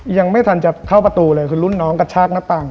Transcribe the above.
ยังไม่ทันจะเข้าประตูเลยคือรุ่นน้องกระชากหน้าต่าง